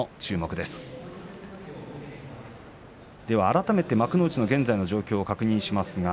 では、改めて幕内現在の状況を確認します。